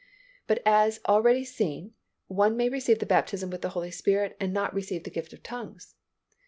But as already seen, one may receive the baptism with the Holy Spirit and not receive the gift of tongues.